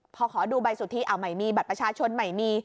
พอขอดูใบสุทธิเอาไม่มีบัตรประชาชนไม่มี